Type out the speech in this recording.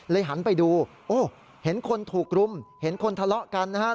หันไปดูโอ้เห็นคนถูกรุมเห็นคนทะเลาะกันนะครับ